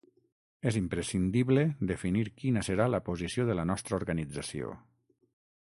És imprescindible definir quina serà la posició de la nostra organització.